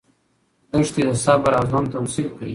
دښتې د صبر او زغم تمثیل کوي.